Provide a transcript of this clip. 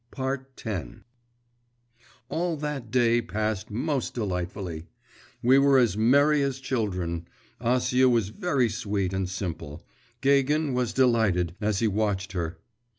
X All that day passed most delightfully. We were as merry as children. Acia was very sweet and simple. Gagin was delighted, as he watched her.